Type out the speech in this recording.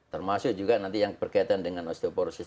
termasuk juga nanti yang berkaitan dengan osteoporosis